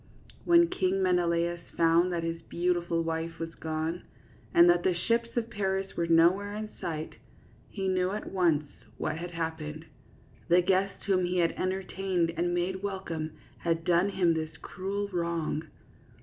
When King Menelaus found that his beau tiful wife was gone, and that the ships of Paris were nowhere in sight, he knew at once what had happened. The guest whom he had entertained and made welcome had done him this cruel wrong.